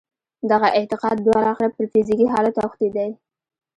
دغه اعتقاد بالاخره پر فزیکي حالت اوښتی دی